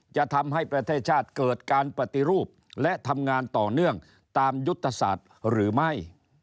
จะทำให้ประเทศชาติเกิดการปฏิรูปและทำงานต่อเนื่องตามยุทธศาสตร์หรือไม่